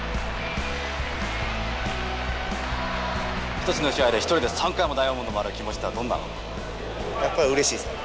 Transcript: １つの試合で、１人で３回もダイヤモンド回る気持ちってのはやっぱりうれしいですね。